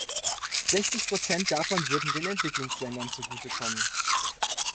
Sechzig Prozent davon würden den Entwicklungsländern zugute kommen.